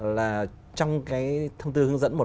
là trong cái thông tư hướng dẫn